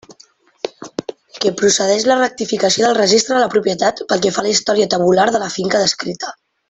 Que procedix la rectificació del registre de la propietat pel que fa a la història tabular de la finca descrita.